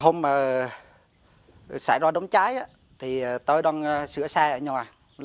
hôm xảy ra đống cháy thì tôi đều có những điểm chữa cháy công cộng